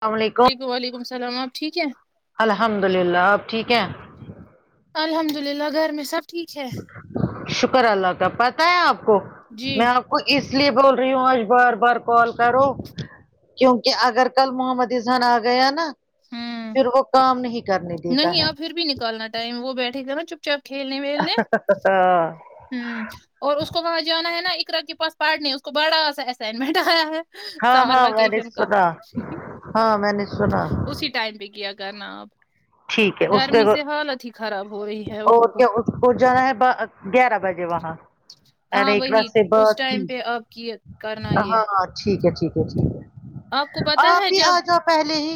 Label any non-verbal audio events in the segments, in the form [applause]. السلام علیکم وعلیکم وعلیکم السلام آپ ٹھیک ہے الحمد للہ آپ ٹھیک ہیں الحمد للہ گھر میں سب ٹھیک ہے شکر اللہ کا پتہ ہے آپ کو جی میں آپ کو اس لیے بول رہی ہوں آج بار بار کال کرو کیونکہ اگر کل محمد اذہان آ گیا نا ہوں پھر وہ کام نہیں کرنے دیتا نہیں ہے آپ پھر بھی نکالنا ٹائم وہ بیٹھے گ نا چپ چاپ کھیلنے ویلنے ہوں اور اس کو وہاں جانا ہے نا اقرا کے پاس پارڑ نہیں اس کو بڑا سا اسائنمنٹ آیا ہے ہاں سمر ہاں میں نے وکیشن کا سنا ہاں میں اسی ٹائم پہ کیا کرنا اب ٹھیک ہے اس پہ گرمی سے حالت ہی خراب ہو رہی ہے ہو اور ہو کیا اس کو جانا ہے گیارہ بجے وہاں ارے ہاں ایک وار وہی سے اس بات کی ٹائم پہ آپ کی کرنا یہ ہاں ٹھیک ہے ٹھیک ہے ٹھیک ہے آپ کو پتا آپ ہے ہی آ جب جاؤ پہلے ہی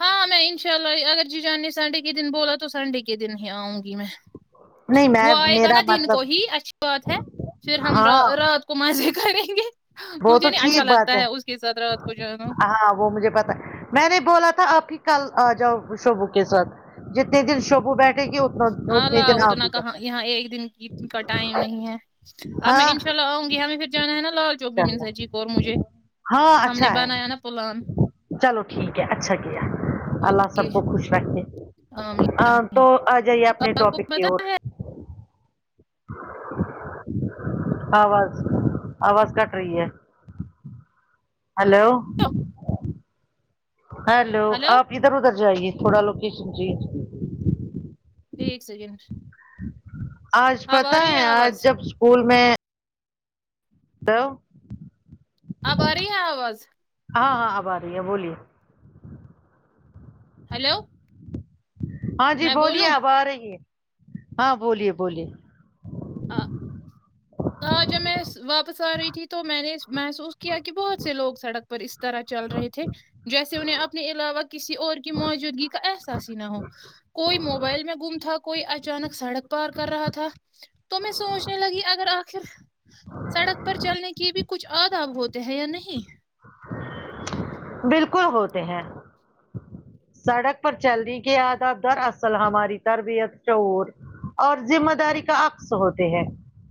ہاں میں ان شاء اللہ اگر جی جان نے سنڈے کے دن بولا تو سنڈے کے دن ہی آؤں گی میں نہیں وہ میں آئے گا میرا نا دن کو مطلب ہی اچھی بات ہے پھر ہم ہاں رات کو مزے کریں گے وہ مجھے تو نہیں اچھا ٹھیک بات لگتا ہے اس کے ساتھ رات کو جانا ہاں وہ مجھے پتا میں نے بولا تھا آپ ہی کل آ جاؤ شوبو کے ساتھ جتنے دن سبو بیٹے گی انے اعلیٰ دن اتنا کہاں کرنا یہاں ایک دن کی کا ٹائم نہیں ہے اب میں ان شاء ہاں اللہ آؤں گی ہم پھر جو ہے نا نا جو بھی من چلو س جی کو اور مجھے ہاں ہم نے اچھا ہے بنایا نا پلان چلو ٹھیک ہے اچھا کیا اللہ اوکے سب کو خوش آمین تو آمین آ جائیے اپنے آپ کو ٹاپک کی پتا اور آواز آواز کٹ رہی ہے ہلو ہیلو ہلو آپ ادھر ادھر جائیے تھوڑا لوکیشن چینج ایک ایک سیکنڈ آج اب پت آ رہی ہے آج آواز جب اسکول میں تو آب آرہی آواز ہاں ہاں اب آ رہی ہے بولیے ہلو ہاں جی بولیے اب آ رہی ہے ہاں بولیے بولیے ا جب میں واپس آ رہی تھی تو میں نے محسوس کیا کہ بہت سے لوگ سڑک اس طرح چل رہے تھے جیسے انہیں اپنے علاوہ کسی اور کی موجودگی کا احساس ہی نہ ہو کوئی موبائل میں گم تھا کوئی اچانک سڑک پار کر رہا تھا تو میں سوچنے لگی اگر آخر سڑک پر چلنے کے بھی کچھ آد آاب ہوتے ہیں یا نہیں بالکل ہوتے ہیں سڑک پر چلنی کیا یادب در اصل ہماری تربیت چور اور ذمہ داری کا عکس ہوتے ہیں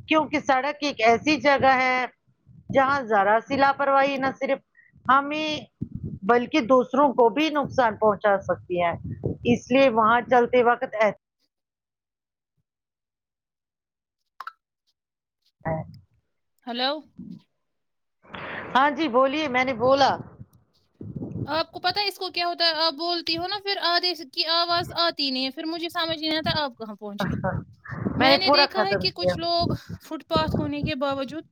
کیونکہ سڑک ایک ایسی جگہ ہے جہاں ذرا سی لاپرواہی نہ صرف ہمیں [inaudible] بلکہ دوسروں کو بھی نقصان پہنچا سکتی ہے اس لیے وہاں چلتے وقت ای ہاں ہلو ہاں جی بولیے میں نے بولا آپ کو پتاہ ہے اس کو کیا ہوتا ہے آپ بولتی ہو نا پھر آدے کی آواز آتی نہیں ھر مجھے سمجھ نہیں آتا آپ کہاں پہنچی میں نے پورا دیکھا ہے کہ ختم کیا کچھ لوگ فٹ پااس ہونے کے باوجود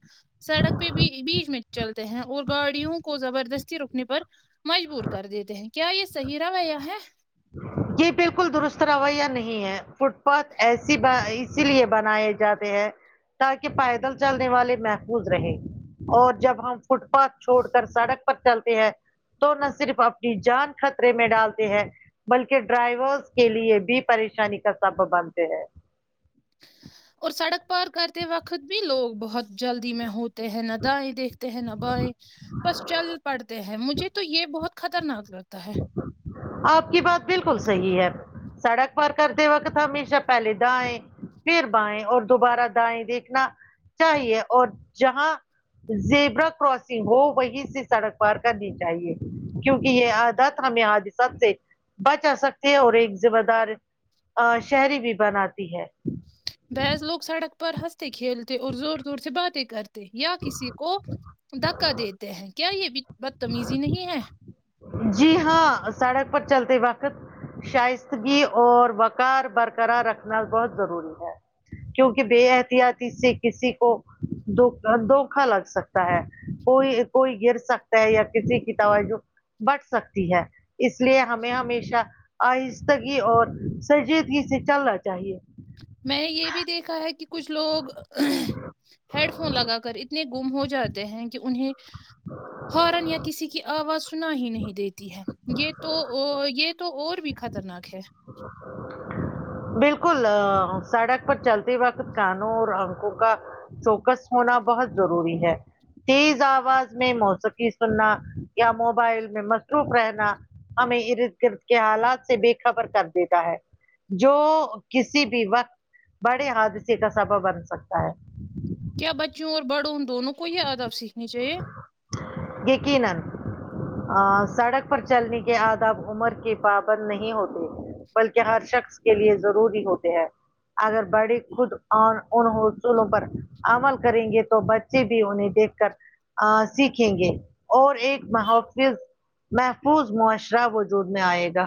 سڑک پہ بھی بیچ میں چلتے ہیں اور گاڑیوں کو زبردستی روکنے پر مجبور کر دیتے ہیں کیا یہ صحیح رویہ ہے یہ بالکل درست رویہ نہیں ہے فٹ پاتھ ایسی اسی لیے بنائے جاتے ہیں تاکہ پیدل چلنے والے محفوظ رہے اور جب ہم فٹ پاتھ چھوڑ کر سڑک پر چلتے ہیں تو نہ صرف اپنی جان خطرے میں ڈالتے ہیں بلکہ ڈرائیورس کے لیے بھی پریشانی کا سبب بنتے ہیں اور سڑک پار کرتے وقت بھی لوگ بہت جلدی میں ہو ہیں نہ دائیں دیکھتے ہیں نہ بائیں بس چل پڑتے ہیں مجھے تو یہ بہت خطرناک لگتا ہے آپ کی بات بالکل صحیح ہے سڑک پر کرتے وقت ہمیشہ پہل داںیں پھر بائیں اور دوبارہ دائیں دیکھنا چاہیے اور جہاں زیبرا کراسنگ ہو وہی سے سڑک پار کرنی چاہیے کیونکہ یہ آج ہمیں حادثت سے بچا سکتے ہیں اور ایک ذمہ دار شہری بھی بناتی ہے بحض لوگ سڑک پر ہنستے کھیلتے اور زور زور سے باتیں کرتے یا کسی کو دھکا دیتے ہیں کیا یہ بھی بدتمیزی نہیں ہے جی ہاں سڑک پر چلتے وقت شائستگی اور وقار برقرار رکھنا بہت ضروری ہے کیونکہ بے احتیاطی سے کسی کو د دھوکا لگ سکتا ہے کوئی کوئی گر سکتا ہے یا کسی کی توج بٹھ سکتی ہے اس لیے ہمیں ہمیشہ آہستگی اور سجیدگی سے چلنا چاہیے میں نے یہ بھی دیکھا ہے کہ کچھ لوگ ہیڈ فون لگا کر اتنے گم ہو جاتے ہیں کہ انہیں ہارن یا کسی کی آواز انا ہی نہیں دیتی ہے یہ تو یہ تو اور بھی خطرناک ہے ج [inaudible] بالکل سڑک پر چلتے وقت کانوں اور انکوں کا چوکس ہونا بہت ضروری ہے تیز آواز میں موسیقی سننا یا موبائل میں مصروف رہنا ہمیں ارد گرد کے حالات سے بے خبر کر دیتا ہے جو کسی بھی وقت بڑے حادثے کا سبب بن سکتا ہے کیا بچیوں اور بڑوں ان دونوں کو یہ آداب سیکھنے چاہیے یقین سڑک پر چلنے کے آداب عمر کے پابند نہیں ہوتے بلکہ ہر شخص کے لیے ضروری ہوتے ہیں اگر بڑی خود ان حصولوں پر عمل کریں گے تو بچے سے بھی انہیں دیکھ کر سیکھ کھیں گے اور ایک محفظ محفوظ معاشرہ وجود میں آئے گا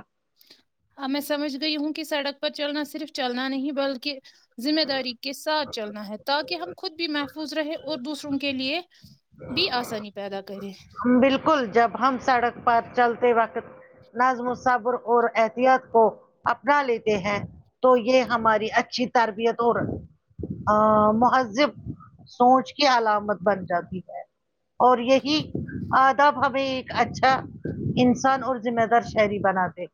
ہاں میں سمجھ گئی ہوں کہ سڑک پر چلنا صرف چلنا نہیں بلکہ ذمہ داری کے ساتھ چلنا ہے تاکہ ہم خود بھی محفوظ رہے اور دوسروں کے لیے بھی آسانی پیدا کرے بالکل جب ہم سڑک پر چلتے وقت نظم و صبر اور احتیاط کو اپنا لیتے ہیں تو یہ ہماری اچھی تربیت اور آ مہذب سوچ کی علامت بن جاتی ہے اور یہ کہ آداب ہمیں ایک اچھا انسان اور ذمہ دار شہری بناتے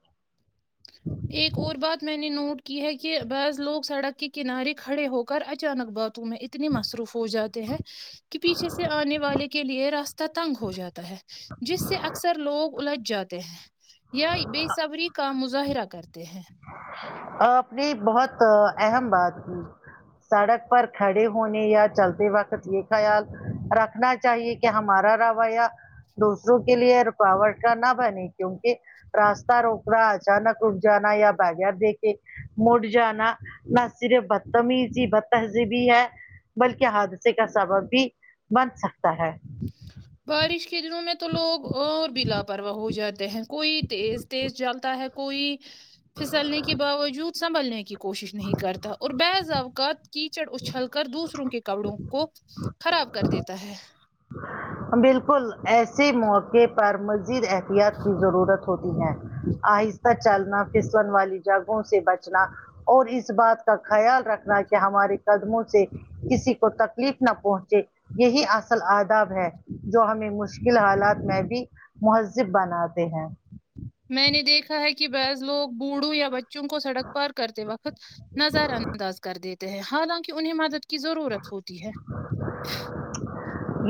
ایک اور بات میں نے نوٹ کی ہے کہ بعض لوگ سڑک کے کنارے کھڑے ہو کر اچانک باتوں میں اتنے مصروف ہو جاتے ہیں کہ پیچھے سے آنے والے کے لیے راستہ تنگ ہو جاتا ہے جس سے اکثر لوگ الجھ جاتے ہیں یا بےصبری کا مظاہرہ کرتے ہیں اپنی بہت اہم بات تھی سڑک پر کھڑے ہونے یا چلتے وقت یہ خیال رکھنا چاہیے کہ کہ ہمارا رویہ دوسروں کے لیے رکاوٹ کا نہ بنے کیونکہ راستہ روکنا اچانک رک جانا یا آ گیا دیک کے مڑ جانا نہ صرف بتمی ہی س بت سے بھی ہے بلکہ حادثے کا سبب بھی بن سکتا ہے بارش کے دنوں میں تو لوگ اور بھی لاپرواہ ہو جاتے ہیں کوئی تیز تیز جلتا ہے کوئی پھسلنے کے باوجود سنبھلنے کی کوشش نہیں کرتا اور بعض اوقات کیچڑ اچھل کر دوسروں کے کپڑوں کو خراب کر دیتا ہے بالکل ایسے موقع پر مزید احتیاط کی ضرورت ہوتی ہے آہستہ چلنا پسن والی جگہوں سے بچنا اور اس بات کا خیال رکھنا کہ ہمارے قدموں سے کسی کو تکلیف نہ پہنچے یہی اصل آداب ہے جو ہمیں مشکل حالات میں بھی مہذب بناتے ہیں میں نے دیکھا ہے کہ بعض لوگ بوڑھو یا بچوں کو سڑک پار کرتے وقت نظر انداز کر دیتے ہیں حالانکہ انہیں مدد کی ضرورت ہوتی ہے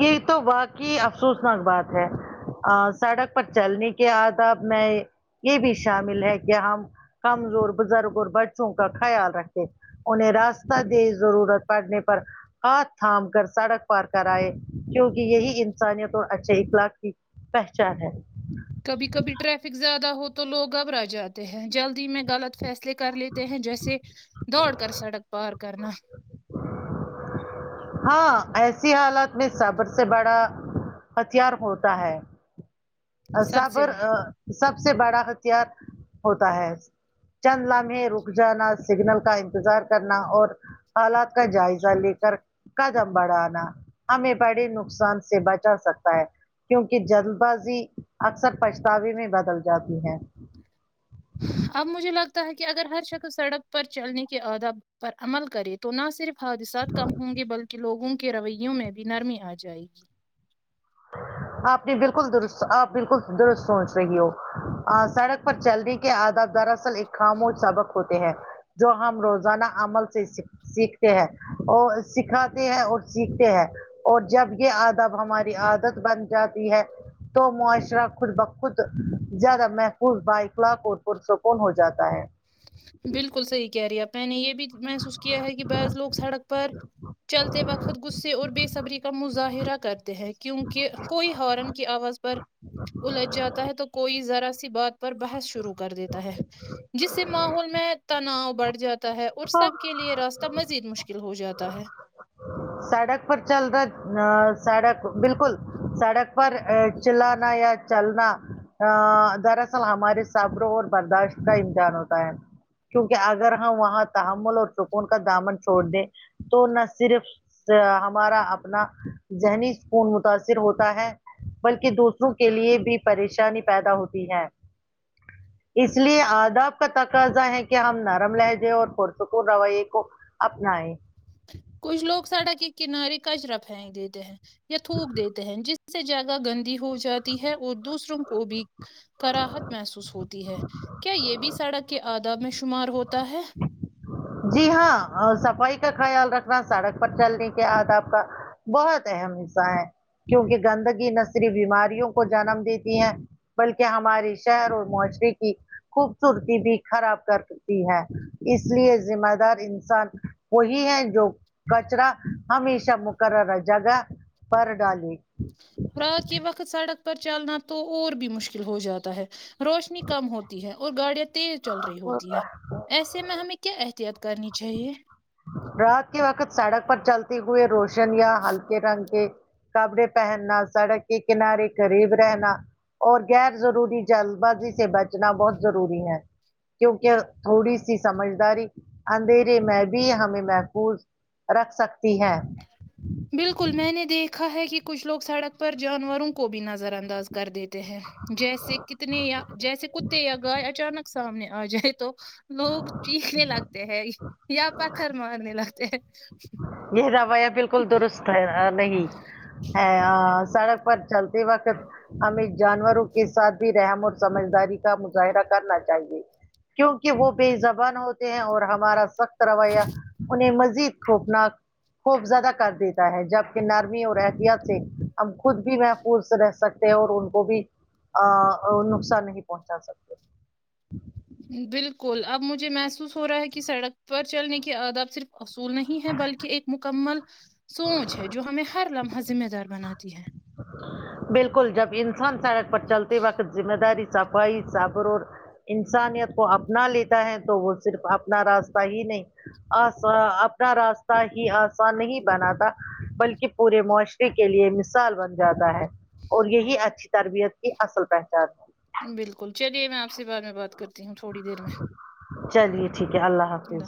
یہ تو واقعی افسوسناک بات ہے ا سڑک پر چلنے کے آداب میں یہ بھی شامل ہے کہ ہم کمزور بزرگ اور بچوں کا خیال رکھے انہیں راستہ دے ضرورت پڑنے پر ہاتھ تھام کر سڑک پار کر آائے کیوںکہ یہی انسانیت اور اچھے اخلاق کی پہچان ہے کبھی کبھی ٹریفک زیادہ ہو تو لوگ گبرا جاتے ہیں جلدی میں غلط فیصلے کر لیتے ہیں جیسے دوڑ کر سڑک پار کرنا ہاں ایسی حالت میں سبر سے بڑا ہتھیار ہوتا ہے سب سے صابر بڑا سب سے بڑا ہتھیار ہوتا ہے چند لامے رک جانا سگنل کا انتظار کرنا اور حالات کا جائزہ لے کر قدم بڑھانا ہمیں بڑے نقصان سے بچا سکتا ہے کیونکہ جلد بازی اکثر پچھتاوے میں بدل جاتی ہے اب مجھے لگتا ہے کہ اگر ہر شخص سڑک پر چلنے کے اداب پر عمل کرے تو نہ صرف حادثات کم ہوں گے بلکہ لوگوں کے رویوں میں بھی نرمی آ جائے گی آپ نے بالکل درست آپ بالکل درست سوچ رہی ہو سڑک پر چلنے کے آداب دراصل ایک خاموش سبق ہوتے ہیں جو ہم روزانہ عمل سے سھ سیکھتے ہیں اور سکھاتے ہیں اور سیکھتے ہیں اور جب یہ ادب ہماری عادت بن جاتی ہے تو معاشرہ خود بخخود زیادہ محفوظ بائخلاق اور پرسکون ہو جاتا ہے بالکل صحیح کہہ رہی ہیں آپ میں نے یہ بھی محسوس کیا ہے کہ بز لوگ سڑک پر چلتے وقت گس اور بےصبری کا مظاہرہ کرتے ہیں کیونک کوئی ہارن کی آواز پر الجھ جاتا ہے تو کوئی ذرا سی بات پر بحث شروع کر دیتا ہے جس اس سے ماحول میں تناؤ بڑھ جاتا ہے اور سب کے لیے راستہ مزید مشکل ہو جاتا ہے سڑک پر چل رہا سڑک بالکل سڑک پر چلانا یا چلنا ا دراصل ہمارے صبر اور برداشت کا امتحان ہوتا ہے کیونکہ اگر ہم وہاں تحمل اور سکون کا دامن چھوڑ دیں تو نہ صرف ہمارا اپنا ذہنی سکون متاثر ہوتا ہے بلکہ دوسروں کے لیے بھی پریشانی پیدا ہوتی ہے [inaudible] اس لیے آداب کا تقاضا ہے کہ ہم نرم لہجے اور پرتک رویے کو اپنیں کچھ لوگ سڑا کے کنارے کچرا پھیک دیتے ہیں یا تھوک دیتے ہیں جس سے جیاگہ گندی ہو جاتی ہے اور دوسروں کو بھی کراہت محسوس ہوتی ہے کیا یہ بھی سڑک کے آداب میں شمار ہوتا ہے جی ہاں صفائی کا خیال رکھنا سڑک پر چلنے کے آد آپ کا بہت اہم حصہ ہے کیونکہ گندگی نہ صریف بیماریوں کو جنم دیتی ہے بلکہ ہماراری شہر اور معاشرے کی خوبصورتی بھی خراب کرتی ہے اس لیے ذمہ دار انسان وہی ہے جو کچرا ہمیش مقرر جگ پر ڈال رات کے وقت سڑک پر چلنا تو اور بھی مشکل ہو جاتا ہے روشنی کم ہوتی ہے اور گاڑیاں تیز چل رہی ہوتی ہے ایسے میں ہمیں کیا احتت کرنی چاہیے رات کے وقت سڑک پر چلتے ہوئے روشن یا ہلکے رنگ کے کپڑے پہننا سڑک کی کنارے قریب رہنا اور غیر ضروری جلد بازی سے بچنا بہت ضروری ہے کیونکہ تھوڑی سی سمجھداری اندھیرے میں بھی ہمیں محفوظ رکھ سکتی ہے بالکل میں نے دیکھا ہے کہ کچھ لوگ سڑک پر جانوروں کو بھی نظر انداز کر دیتے ہیں جیسے کتنے یا جیسے کتے یا گائے اچانک سامنے آ جائے تو لوگ چیخنے لگتے ہیں یا پتھر مارنے لگتے ہیں یہ روھیا بالکل درست نہیں ا سڑک پر چلتے وقت ہمیں جانوروں کے ساتھ بھی رحم اور سمجداری کا مظاہرہ کرنا چاہیے کیونکہ وہ بے زبان ہوتے ہیں اور ہمارا سخت رویہ انہیں مزید خوفناک خوف زیادہ کر دیتا ہے جبک نرمی اور احتیات سے ہم خود بھی محفوظ رہ سکتے اور ان کو بھی نقصان نہیں پہنچا سکتے بالکل اب مجھے محسوس ہو رہا ہے کہ سڑک پر چلنے کے آد آپ صرف اصول نہیں ہے بلکہ ایک مکمل سوچ ہے جو ہمیں ہر لمحہ ذمہ دار بناتی ہے بالکل جب انسان سڑک پر چلتے وقت ذمہ داری صفائی صبر انسانیت کو اپنا لیتا ہے تو وہ صرف اپنا راستہ ہی نہیں آسان اپنا راستہ ہی آسان نہیں بنا تھا بلکہ پورے معاشرے کے لیے مثال بن جاتا ہے اور یہی اچھی تربیت کی اصل پہچان ہے بالکل چلیے میں آپ سے بعد میں بات کرتی ہوں تھوڑی دیر میں چلیے ٹھیک ہے اللہ حافظ